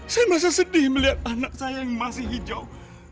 saya merasa sedih melihat anak saya yang masih hijau